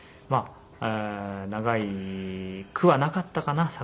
長いくはなかったかな？